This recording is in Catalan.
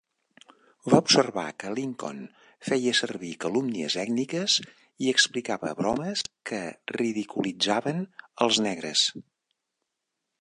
Va observar que Lincoln feia servir calumnies ètniques i explicava bromes que ridiculitzaven els negres.